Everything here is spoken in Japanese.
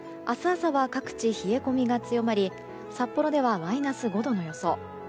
明日朝は各地冷え込みが強まり札幌ではマイナス５度の予想。